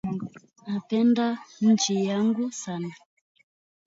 Napenda nchi yangu sana